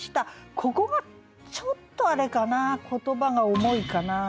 ここがちょっとあれかな言葉が重いかな。